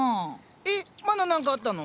えまだ何かあったの？